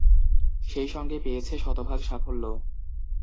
সেই সঙ্গে পেয়েছে শতভাগ সাফল্য।